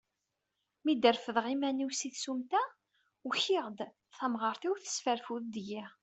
Mi d-refdeɣ iman-iw si tsumta, ukiɣ-d, tamɣart-iw tesfarfud deg-i.